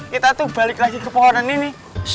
kita tuh balik lagi ke pohonan ini